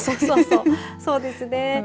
そうですね。